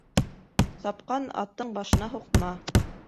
Сапҡан аттың башына һуҡма.